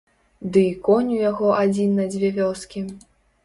Ды й конь у яго адзін на дзве вёскі.